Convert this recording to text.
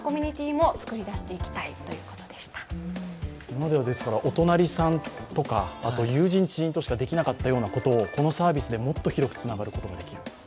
今まではお隣さんとか友人・知人としかできなかったようなことをこのサービスでもっと広くつながることができる。